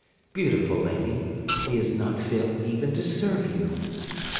Beautiful lady, he is not fit even to serve you."